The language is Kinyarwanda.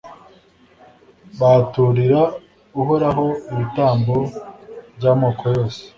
bahaturira uhoraho ibitambo by'amoko yose